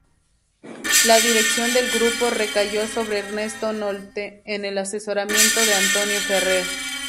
La dirección del grupo recayó sobre Ernesto Nolte, con el asesoramiento de Antonio Ferrer.